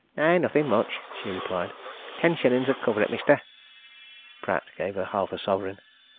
"Nay, nothing much," she replied. "Ten shillings 'ud cover it, mister." Pratt gave her half a sovereign.